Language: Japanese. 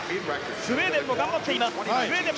スウェーデンも頑張っています。